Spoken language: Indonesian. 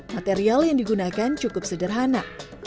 material yang digunakan cukup sederhana